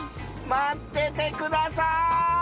待っててください！